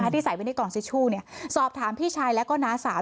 ที่ใส่ไว้ในกล่องทิชชู่สอบถามพี่ชายแล้วก็น้าสาว